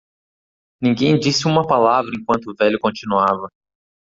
Ninguém disse uma palavra enquanto o velho continuava.